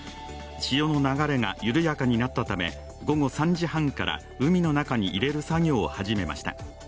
潮の流れが緩やかになったため午後３時半から海の中に入れる作業を始めました。